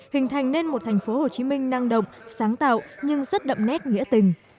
hình thành nên một thành phố hồ chí minh năng động sáng tạo nhưng rất đậm nét nghĩa tình